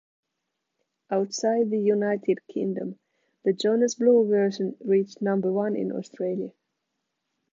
Outside the United Kingdom, the Jonas Blue version reached number one in Australia.